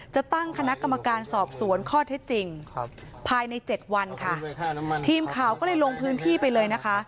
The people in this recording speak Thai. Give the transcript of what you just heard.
จะตั้งคณะกรรมการสอบสวนข้อเท็จจริงภายใน๗วันค่ะทีมข่าวก็เลยลงพื้นที่ไปเลยนะคะ